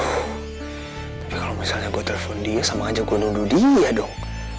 tapi kalau misalnya gue telepon dia sama aja gue nuduh dia dong